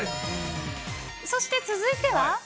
そして、続いては。